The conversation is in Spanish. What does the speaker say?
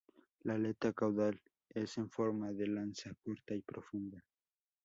La aleta caudal es en forma de lanza; corta y profunda.